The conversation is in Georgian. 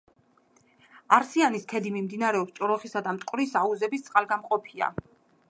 არსიანის ქედი მდინარეების ჭოროხისა და მტკვრის აუზების წყალგამყოფია.